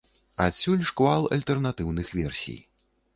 Адсюль шквал альтэрнатыўных версій.